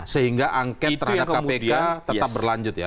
sehingga angket terhadap kpk tetap berlanjut ya